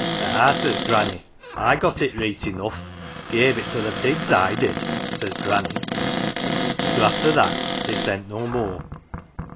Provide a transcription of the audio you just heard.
"' Ah,' says Granny, ' I got it reet enough. Gave it to the pigs, I did,' says Granny. So after that they sent no more.